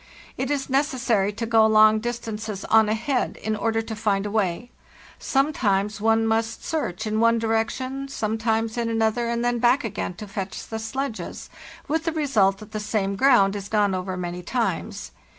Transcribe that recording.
It is necessary to go Jong distances on ahead in order to find a way; sometimes one must search in one direction, sometimes in another, and then back again to fetch the sledges, with the result that the same ground is gone over many times.